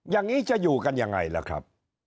อย่างนี้จะอยู่กันยังไงล่ะครับ